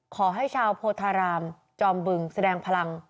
ขอให้ชาวโพธารามจอมบึงแสดงพลัง